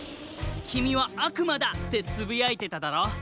「きみはあくまだ！」ってつぶやいてただろ？